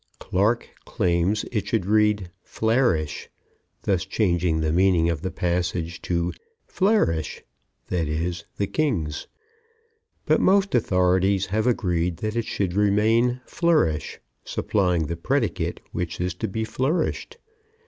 Clarke claims it should read "flarish," thus changing the meaning of the passage to "flarish" (that is, the King's), but most authorities have agreed that it should remain "flourish," supplying the predicate which is to be flourished.